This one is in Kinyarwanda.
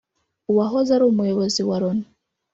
uwahoze ari umuyobozi wa Loni